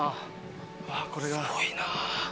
すごいな。